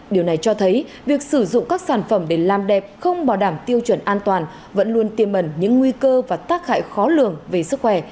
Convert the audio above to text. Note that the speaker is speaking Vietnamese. điều này cho thấy việc sử dụng các sản phẩm để làm đẹp không bảo đảm tiêu chuẩn an toàn vẫn luôn tiềm mẩn những nguy cơ và tác hại khó lường về sức khỏe